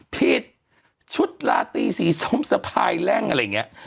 ชุดลาตีสีส้มสะพายแร่งอะไรอย่างนี้